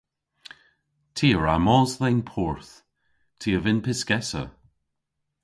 Ty a wra mos dhe'n porth. Ty a vynn pyskessa.